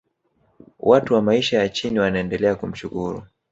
watu wa maisha ya chini wanaendelea kumshukuru